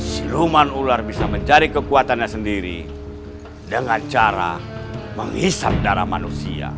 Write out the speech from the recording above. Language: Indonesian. siluman ular bisa mencari kekuatannya sendiri dengan cara menghisap darah manusia